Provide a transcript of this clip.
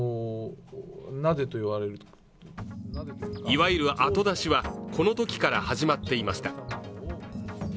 いわゆる「後出し」はこのときから始まっていました。